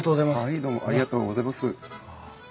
はいどうもありがとうございます。